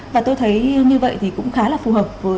và tôi thấy như vậy thì cũng khá là phù hợp với